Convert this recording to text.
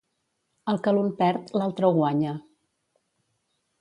El que l'un perd, l'altre ho guanya.